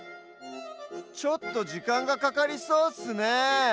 ちょっとじかんがかかりそうッスねえ。